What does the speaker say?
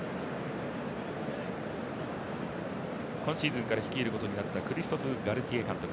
今シーズンから率いることになったクリストフ・ガルティエ監督。